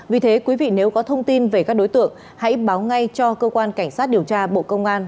vì thế quý vị nếu có thông tin về các đối tượng hãy báo ngay cho cơ quan cảnh sát điều tra bộ công an